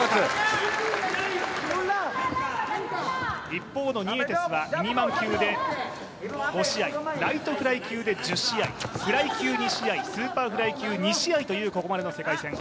一方のニエテスはミニマム級で５試合ライトフライ級で１０試合フライ級２試合、スーパーフライ級２試合というここまでの世界戦。